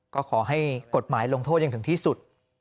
ก็ขอให้กฎหมายลงโทษอย่างถึงที่สุด